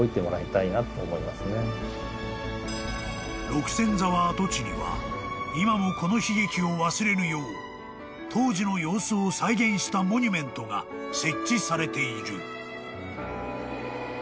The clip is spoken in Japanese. ［六線沢跡地には今もこの悲劇を忘れぬよう当時の様子を再現したモニュメントが設置されている］